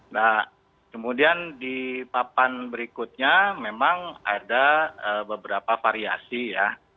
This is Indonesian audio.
nah kemudian di papan berikutnya memang ada beberapa variasi ya